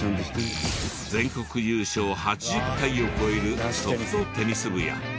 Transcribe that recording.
全国優勝８０回を超えるソフトテニス部や。